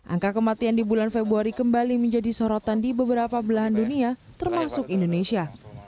angka kematian di bulan februari kembali menjadi sorotan di beberapa belahan dunia termasuk indonesia